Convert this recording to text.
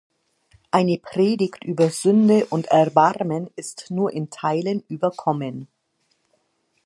Eine Predigt über Sünde und Erbarmen ist nur in Teilen überkommen.